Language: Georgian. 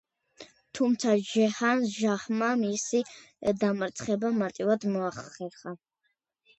თუმცა ჯეჰან-შაჰმა მისი დამარცხება მარტივად მოახერხა.